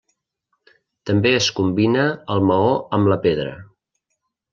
També es combina el maó amb la pedra.